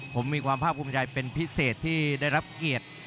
ผมมีความภาพภูมิใจเป็นพิเศษที่ได้รับเกียรติ